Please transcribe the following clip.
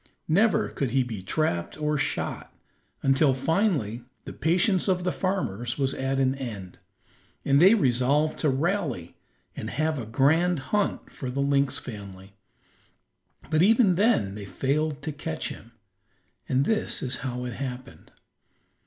Never could he be trapped or shot, until finally the patience of the farmers was at an end, and they resolved to rally and have a grand hunt for the lynx family; but even then they failed to catch him, and this is how it happened.